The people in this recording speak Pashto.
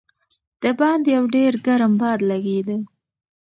د باندې یو ډېر ګرم باد لګېده.